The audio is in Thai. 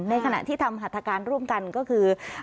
ในขณะที่ทำหัตถการร่วมกันก็คือ